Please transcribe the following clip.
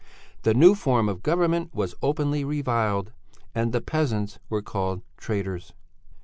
The new form of government was openly reviled and the peasants were called traitors.